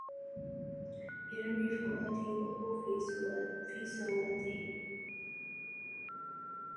يرمي فؤادي وهو في سودائه